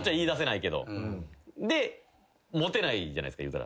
でモテないじゃないですか。